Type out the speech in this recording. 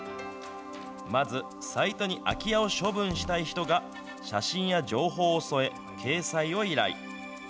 まずサイトに空き家を処分したい人が、写真や情報を添え、掲載を依頼。